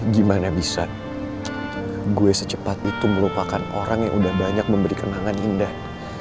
gimana bisa gue secepat itu merupakan orang yang udah banyak memberi kenangan indah